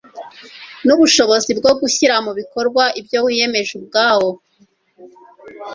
n'ubushobozi bwo gushyira mu bikorwa ibyo wiyemeje ubwawo.